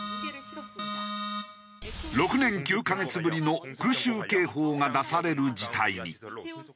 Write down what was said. ６年９カ月ぶりの空襲警報が出される事態に。